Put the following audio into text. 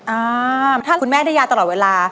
อ่าถ้าคุณแม่ได้ยาตลอดเวลา